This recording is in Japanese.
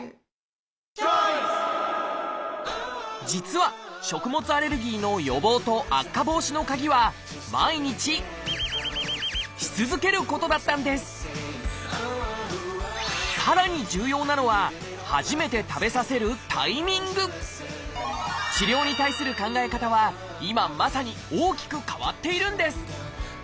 実は食物アレルギーの予防と悪化防止のカギはさらに重要なのは治療に対する考え方は今まさに大きく変わっているんです。